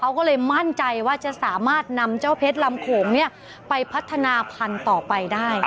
เขาก็เลยมั่นใจว่าจะสามารถนำเจ้าเพชรลำโขงไปพัฒนาพันธุ์ต่อไปได้